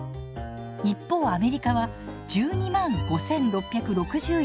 一方アメリカは１２５，６６４円。